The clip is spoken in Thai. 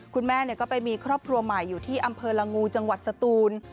คุณแม่ก็ไปมีครอบครัวใหม่อยู่ที่อำเภอละงูจังหวัดสตูน